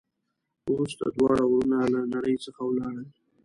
وروسته دواړه ورونه له نړۍ څخه ولاړل.